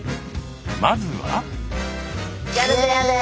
まずは。